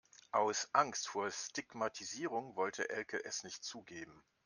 Aus Angst vor Stigmatisierung wollte Elke es nicht zugeben.